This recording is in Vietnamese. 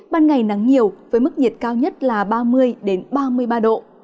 ban ngày nắng nhiều với mức nhiệt cao nhất là ba mươi ba mươi ba độ